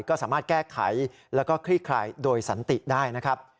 ก็สามารถแก้ไขแล้วก็คลี่คลายโดยสันติได้นะครับ